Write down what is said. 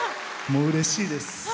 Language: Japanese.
うれしいです。